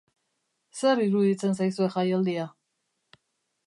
Zer iruditzen zaizue jaialdia?